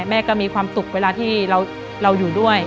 แม่ก็มีความสุขเวลาที่เราอยู่ด้วย